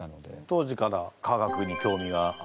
当時から科学に興味がおありで？